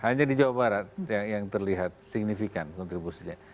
hanya di jawa barat yang terlihat signifikan kontribusinya